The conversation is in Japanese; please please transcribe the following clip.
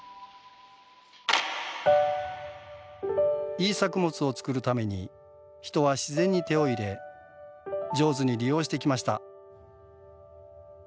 いい作物を作るために人は自然に手を入れ上手に利用してきました。